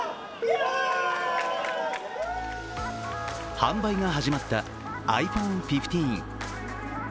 販売が始まったｉＰｈｏｎｅ１５。